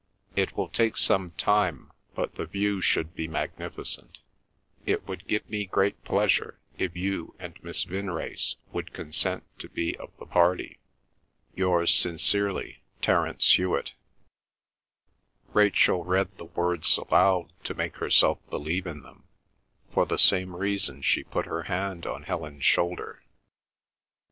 It will take some time, but the view should be magnificent. It would give me great pleasure if you and Miss Vinrace would consent to be of the party.—Yours sincerely, TERENCE HEWET Rachel read the words aloud to make herself believe in them. For the same reason she put her hand on Helen's shoulder.